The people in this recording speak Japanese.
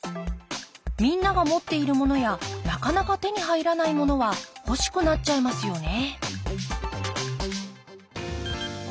みんなが持っているものやなかなか手に入らないものは欲しくなっちゃいますよね